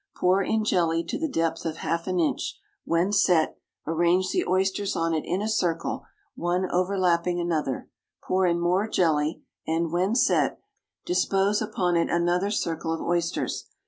Pour in jelly to the depth of half an inch; when set, arrange the oysters on it in a circle, one overlapping another; pour in more jelly, and, when set, dispose upon it another circle of oysters.